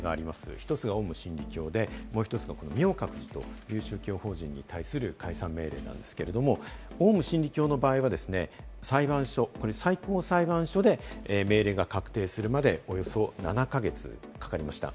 １つがオウム真理教でもう１つが明覚寺という宗教法人に対する解散命令なんですけれども、オウム真理教の場合は裁判所、これ、最高裁判所で命令が確定するまで、およそ７か月かかりました。